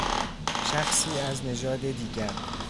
شخصی از نژاد دیگر